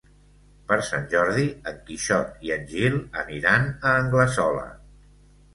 Per Sant Jordi en Quixot i en Gil aniran a Anglesola.